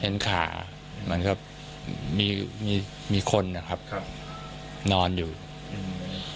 เห็นขาอืมมันก็มีมีมีคนนะครับครับนอนอยู่อืม